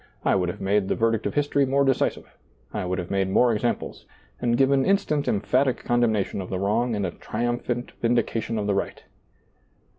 I would have made the ver dict of history more decisive ; I would liave made more examples, and given instant emphatic con demnation of the wrong and a triumphant vindi cation of the right."